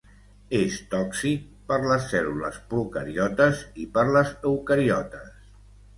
És tòxic per les cèl·lules procariotes i per les eucariotes.